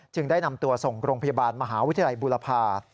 ได้นำตัวส่งโรงพยาบาลมหาวิทยาลัยบุรพา